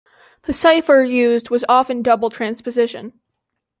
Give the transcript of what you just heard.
The cipher used was often double transposition.